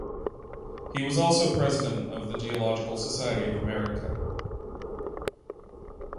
He was also President of the Geological Society of America.